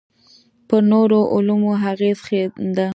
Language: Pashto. پر نورو علومو اغېز ښنده.